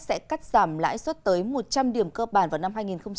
sẽ cắt giảm lãi suất tới một trăm linh điểm cơ bản vào năm hai nghìn hai mươi